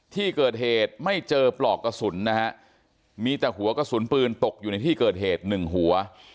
ที่เกิดเหตุไม่เจอปลอกกระสุนนะฮะมีแต่หัวกระสุนปืนตกอยู่ในที่เกิดเหตุหนึ่งหัว